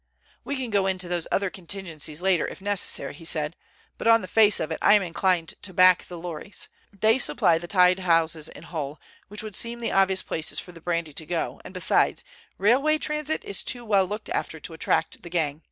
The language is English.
"We can go into those other contingencies later if necessary," he said, "but on the face of it I am inclined to back the lorries. They supply the tied houses in Hull, which would seem the obvious places for the brandy to go, and, besides, railway transit is too well looked after to attract the gang.